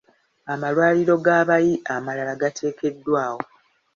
Amalwaliro g'abayi amalala gateekeddwawo.